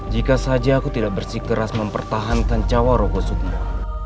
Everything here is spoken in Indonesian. jika saja aku tidak bersikeras mempertahankan cawan rogo sukmo